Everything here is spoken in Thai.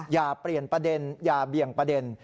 อย่าเปลี่ยนประเด็นอย่าเบี่ยงประเด็น